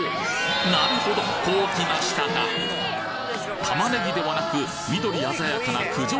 なるほどこうきましたか玉ねぎではなく緑鮮やかな九条